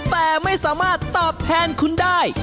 แต่ไม่สามารถตอบแทนคุณได้